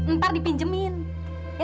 ntar dipinjemin ya